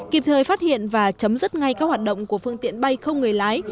kịp thời phát hiện và chấm dứt ngay các hoạt động của phương tiện bay không người lái